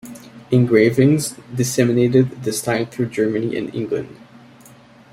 Engravings disseminated the style through Germany and England.